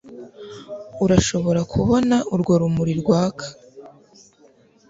Urashobora kubona urwo rumuri rwaka